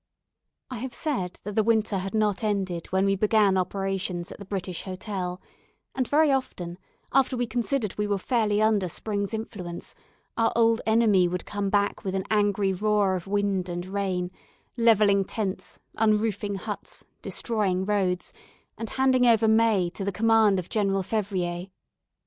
I have said that the winter had not ended when we began operations at the British Hotel; and very often, after we considered we were fairly under spring's influence, our old enemy would come back with an angry roar of wind and rain, levelling tents, unroofing huts, destroying roads, and handing over May to the command of General Fevrier.